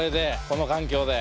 この環境で！